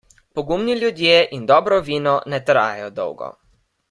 Pogumni ljudje in dobro vino ne trajajo dolgo.